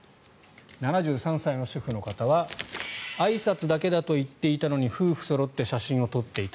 ７３歳の主婦の方はあいさつだけだと言っていたのに夫婦そろって写真を撮っていた。